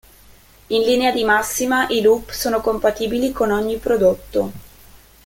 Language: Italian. In linea di massima i loop sono compatibili con ogni prodotto.